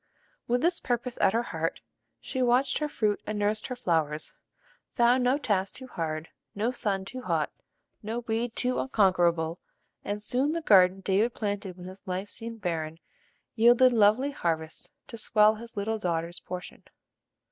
With this purpose at her heart, she watched her fruit and nursed her flowers; found no task too hard, no sun too hot, no weed too unconquerable; and soon the garden David planted when his life seemed barren, yielded lovely harvests to swell his little daughter's portion.